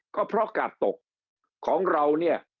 ก็เพราะกาดตกของเราเนี่ย